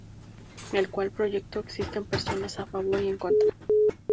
En cualquier proyecto existen personas a favor y en contra.